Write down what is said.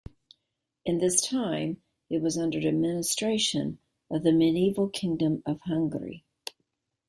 In this time, it was under administration of the medieval Kingdom of Hungary.